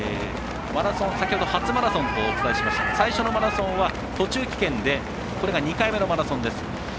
先ほど、初マラソンとお伝えしましたが最初のマラソンは途中棄権でこれが２回目のマラソンです。